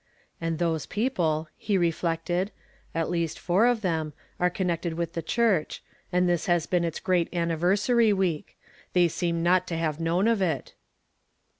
"And those people," he reflected, " at least four of them, are connected with the church, and this lias been its great annivei sary week. They seem not to have known of it